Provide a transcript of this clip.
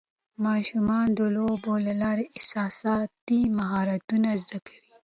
ماشومان د لوبو له لارې احساساتي مهارتونه زده کوي.